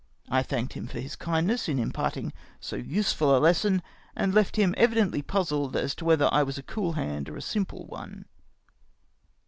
I thanked him for his kindness m impartmg so useful a lesson, and left him evidently puzzled as to whether I was a cool hand or a simple one.